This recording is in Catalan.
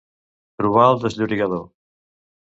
Trobar el desllorigador.